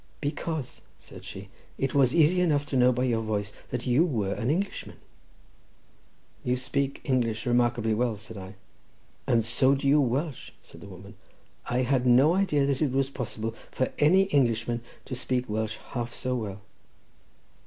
"Because," said she, "it was easy enough to know by your voice that you were an Englishman." "You speak English remarkably well," said I. "And so do you Welsh," said the woman; "I had no idea that it was possible for any Englishman to speak Welsh half so well."